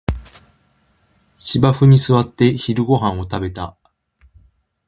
芝生に座って昼ごはんを食べた